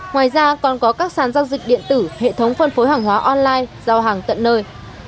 ngoài ra còn có các sàn giao dịch điện tử hệ thống phân phối hàng hóa online giao hàng tận nơi